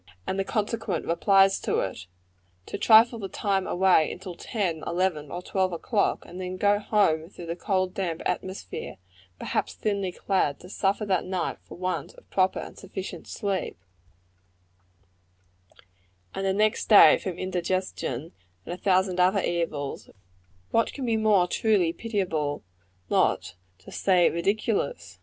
and the consequent replies to it; to trifle the time away till ten, eleven or twelve o'clock, and then go home through the cold, damp atmosphere, perhaps thinly clad, to suffer that night for want of proper and sufficient sleep, and the next day from indigestion, and a thousand other evils; what can be more truly pitiable, not to say ridiculous!